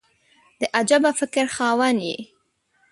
د عجبه فکر خاوند یې !